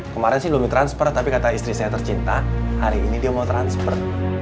kemarin sih belum ditransfer tapi kata istri saya tercinta hari ini dia mau transfer